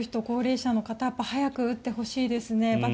高齢者の人は早く打ってほしいですね。